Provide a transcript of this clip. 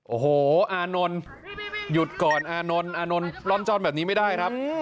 โอ้โหอานนท์หยุดก่อนอานนท์อานนท์ล้อมจ้อนแบบนี้ไม่ได้ครับ